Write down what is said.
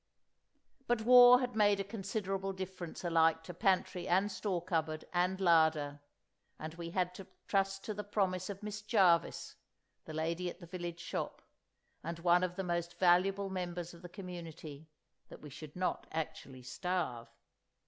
But war had made a considerable difference alike to pantry and store cupboard and larder, and we had to trust to the promise of Miss Jarvis, the lady at the village shop—and one of the most valuable members of the community—that we should not actually starve!